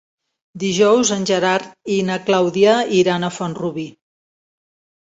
Dijous en Gerard i na Clàudia iran a Font-rubí.